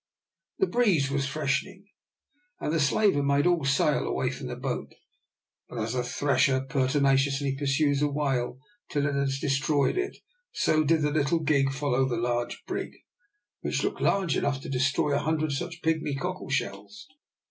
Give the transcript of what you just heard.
The breeze was freshening, and the slaver made all sail away from the boat. But as a thresher pertinaciously pursues a whale till it has destroyed it, so did the little gig follow the large brig, which looked large enough to destroy a hundred such pigmy cockle shells.